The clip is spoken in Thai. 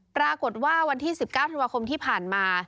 ปรากฏว่าวันที่๑๙ธันวาคมที่ผ่านมา